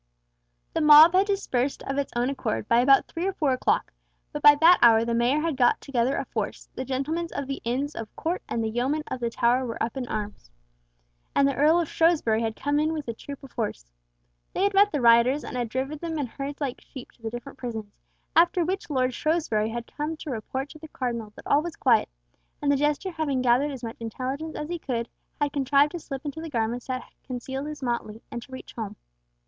The mob had dispersed of its own accord by about three or four o'clock, but by that hour the Mayor had got together a force, the Gentlemen of the Inns of Court and the Yeomen of the Tower were up in arms, and the Earl of Shrewsbury had come in with a troop of horse. They had met the rioters, and had driven them in herds like sheep to the different prisons, after which Lord Shrewsbury had come to report to the Cardinal that all was quiet, and the jester having gathered as much intelligence as he could, had contrived to slip into the garments that concealed his motley, and to reach home.